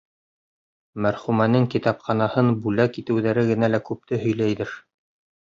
Мәрхүмәнең китапханаһын бүләк итеүҙәре генә лә күпте һөйләйҙер.